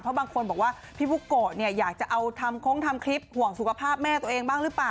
บางคนบอกว่าพี่บุโกะเนี่ยอยากจะเอาทำโค้งทำคลิปห่วงสุขภาพแม่ตัวเองบ้างหรือเปล่า